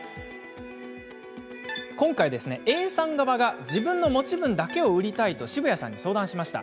今回、Ａさん側が自分の持ち分だけを売りたいと渋谷さんに相談してきました。